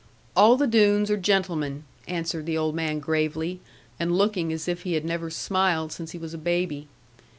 'All the Doones are gentlemen,' answered the old man gravely, and looking as if he had never smiled since he was a baby.